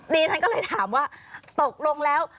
ดิฉันก็เลยถามว่าตกลงแล้ว